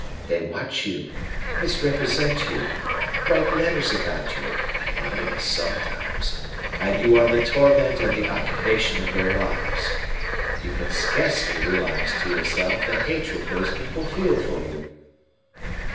They watch you, misrepresent you, write letters about you (anonymous sometimes), and you are the torment and the occupation of their lives. You can scarcely realise to yourself the hatred those people feel for you."